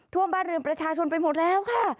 ท่วมบ้านเรือนประชาชนไปหมดแล้วค่ะ